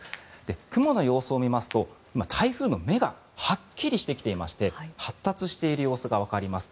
雲の様子を見ますと今、台風の目がはっきりしてきていまして発達している様子がわかります。